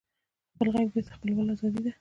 خپل غږ بېرته خپلول ازادي ده.